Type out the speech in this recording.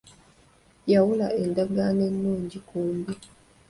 Yawula endagaano ennungi ku mbi.